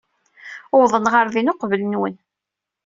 Uwḍen ɣer din uqbel-nwen.